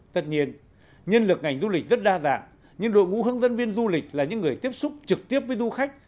tất nhiên nhân lực ngành du lịch rất đa dạng nhưng đội ngũ hướng dẫn viên du lịch là những người tiếp xúc trực tiếp với du khách